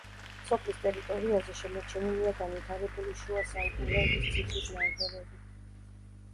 სოფლის ტერიტორიაზე შემორჩენილია განვითარებული შუასაუკუნეების ციხის ნანგრევები.